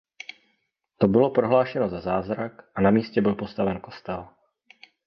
To bylo prohlášeno za zázrak a na místě byl postaven kostel.